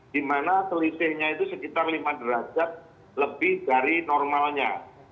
di mana selisihnya itu sekitar lima derajat lebih dari normalnya